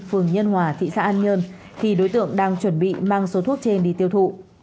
phường nhân hòa thị xã an nhơn khi đối tượng đang chuẩn bị mang số thuốc trên đi tiêu thụ